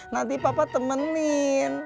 nanti papa temenin